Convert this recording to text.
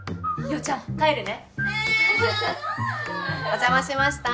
お邪魔しました。